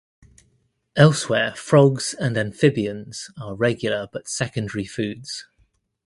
Elsewhere frogs and amphibians are regular but secondary foods.